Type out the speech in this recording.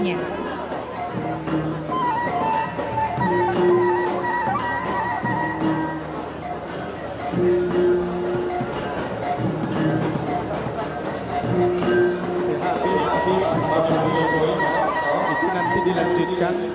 menari manortor betul sama sama nantinya